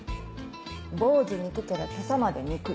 「坊主憎けりゃ袈裟まで憎い」。